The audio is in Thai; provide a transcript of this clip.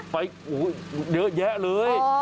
เยอะแยะเลย